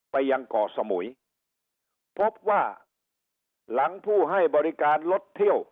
ไปยังเกาะสมุยพบว่าหลังผู้ให้บริการรถเที่ยว